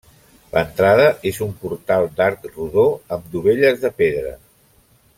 L'entrada és un portal d'arc rodó amb dovelles de pedra.